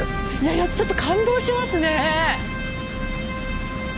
いやちょっと感動しますね。